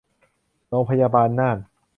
โรงพยาบาลน่าน